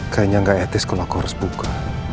kayaknya nggak etis kalau aku harus buka